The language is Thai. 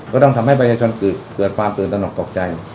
ก็ต้องทำให้ประชาชนเกิดความตื่นตนกตกใจ